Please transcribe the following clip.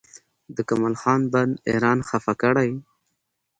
د کمال خان بند ایران خفه کړی؟